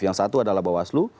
yang satu adalah bawaslu